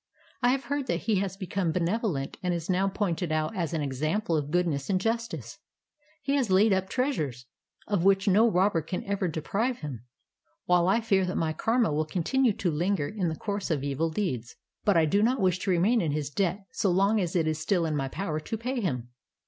I have heard that he has become benevolent and is now pointed out as an example of goodness and justice. He has laid up treasures of which no robber can ever deprive him, while I fear that my karma will continue to linger in the course of e\il deeds; but I do not wish to remain in his debt so long as it is still in my power to pay him.